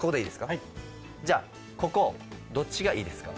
はいじゃあここどっちがいいですか？